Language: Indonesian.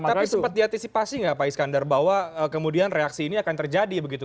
tapi sempat diantisipasi nggak pak iskandar bahwa kemudian reaksi ini akan terjadi begitu